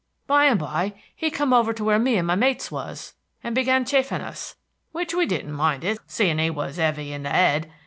By and by he come over to where me and my mates was, and began chaffin' us, which we didn't mind it, seeing he was 'eavy in the 'ead.